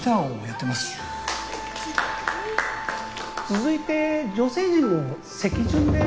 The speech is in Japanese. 続いて女性陣も席順で。